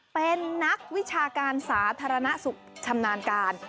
เป็นนักวิชาการสาธารณสุขชำนาญการ